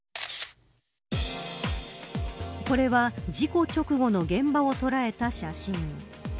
これは事故直後の現場を捉えた写真。